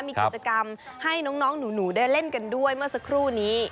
มีกิจกรรมให้น้องหนูได้เล่นกันด้วยเมื่อสักครู่นี้